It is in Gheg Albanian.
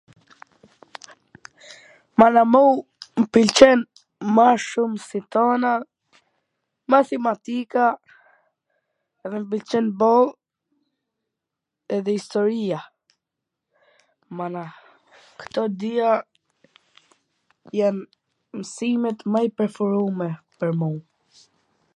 Mana mu m pwlqen ma shum se t tana mathimatika dhe m pwlqen boll edhe istoria mana, Kto dia jan msimet m i preferume pwr mu.